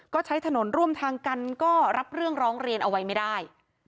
ก็ใช้ถนนร่วมทางกันก็รับเรื่องร้องเรียนเอาไว้ไม่ได้